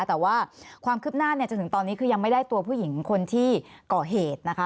แต่ว่าความคืบหน้าจนถึงตอนนี้คือยังไม่ได้ตัวผู้หญิงคนที่ก่อเหตุนะคะ